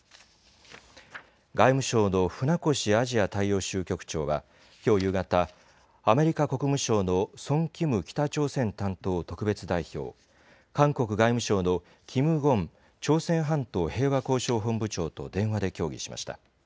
外務省の船越アジア大洋州局長は、きょう夕方、アメリカ国務省のソン・キム北朝鮮担当特別代表、韓国外務省のキム・ゴン朝鮮半島平和交渉本部長と電話で協議しました。